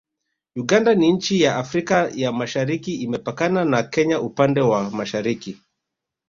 Uganda ni nchi ya Afrika ya Mashariki Imepakana na Kenya upande wa mashariki